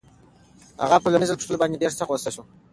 اغا په لومړي ځل پوښتلو باندې ډېر سخت غوسه شو.